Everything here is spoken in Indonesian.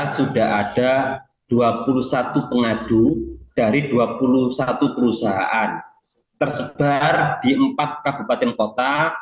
sudah ada dua puluh satu pengadu dari dua puluh satu perusahaan tersebar di empat kabupaten kota